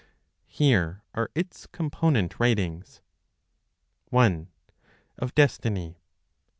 Here are its component writings: 1. Of Destiny, 3.